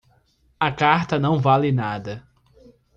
A carta não vale nada.